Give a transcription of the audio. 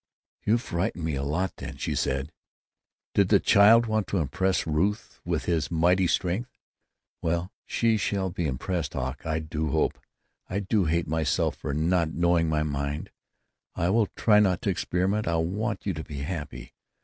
"You frightened me a lot, then," she said. "Did the child want to impress Ruth with his mighty strength? Well, she shall be impressed. Hawk, I do hope—I do hate myself for not knowing my mind. I will try not to experiment. I want you to be happy.